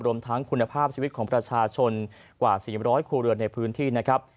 รวมทั้งคุณภาพชีวิตของประชาชนกว่า๔๐๐ครัวเรือนในพื้นที่นะครับ